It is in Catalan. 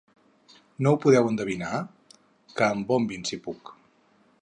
"No ho podeu endevinar?" "Que em bombin si puc."